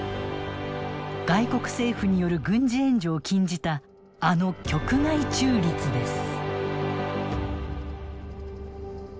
外国政府による軍事援助を禁じたあの局外中立です。